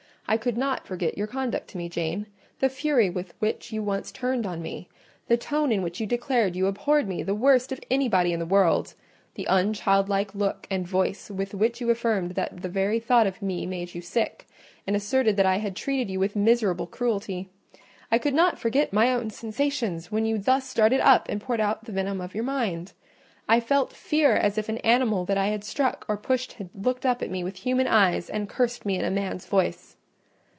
I could not forget your conduct to me, Jane—the fury with which you once turned on me; the tone in which you declared you abhorred me the worst of anybody in the world; the unchildlike look and voice with which you affirmed that the very thought of me made you sick, and asserted that I had treated you with miserable cruelty. I could not forget my own sensations when you thus started up and poured out the venom of your mind: I felt fear as if an animal that I had struck or pushed had looked up at me with human eyes and cursed me in a man's voice.